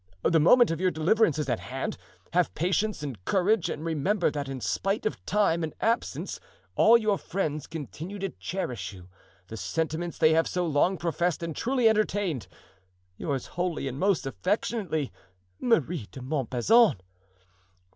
The moment of your deliverance is at hand; have patience and courage and remember that in spite of time and absence all your friends continue to cherish for you the sentiments they have so long professed and truly entertained. "Yours wholly and most affectionately "Marie de Montbazon.